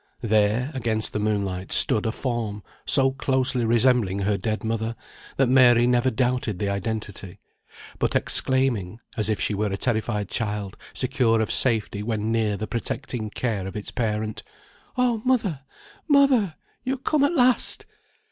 There, against the moonlight, stood a form, so closely resembling her dead mother, that Mary never doubted the identity, but exclaiming (as if she were a terrified child, secure of safety when near the protecting care of its parent) "Oh! mother! mother! You are come at last!"